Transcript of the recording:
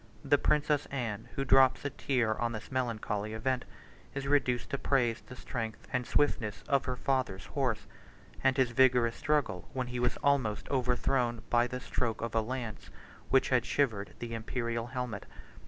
The princess Anne, who drops a tear on this melancholy event, is reduced to praise the strength and swiftness of her father's horse, and his vigorous struggle when he was almost overthrown by the stroke of a lance, which had shivered the Imperial helmet.